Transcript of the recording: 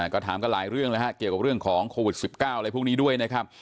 ก็ถามกันหลายเรื่องแล้วฮะเกี่ยวกับเรื่องของโควิด๑๙อะไรพวกนี้ด้วยนะครับ